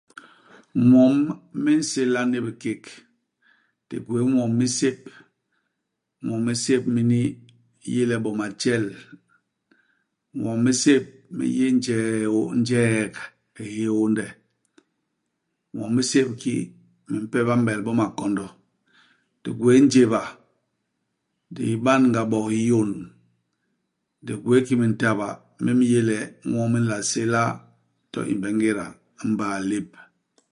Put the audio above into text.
Ñwom mi nséla ni bikék. Di gwéé ñwom mi sép. Ñwom mi sép mini mi yé le bo majtel ; ñwom mi sép mi yé njee hiô njeek hiônde ; ñwom mi sép ki mimpe ba m'bel bo makondo. Di gwéé njéba, di ban-ga bo hiyôn. Di gwéé ki mintaba mi mi yé le ñwo mi nla séla to imbe ngéda i mbaa lép.